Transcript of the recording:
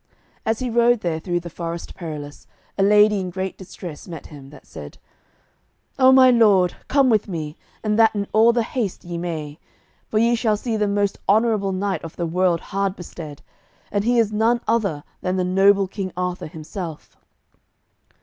As he rode there through the Forest Perilous, a lady in great distress met him, that said: "O my lord, come with me, and that in all the haste ye may, for ye shall see the most honourable knight of the world hard bestead, and he is none other than the noble King Arthur himself."